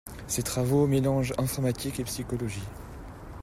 Ses travaux mélangent informatique et psychologie.